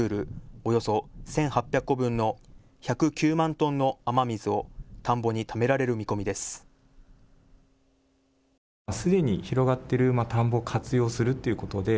およそ１８００個分の１０９万トンの雨水を田んぼにためられる見込みです。